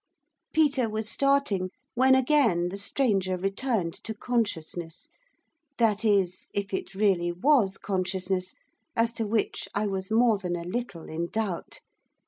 Peter was starting, when again the stranger returned to consciousness, that is, if it really was consciousness, as to which I was more than a little in doubt.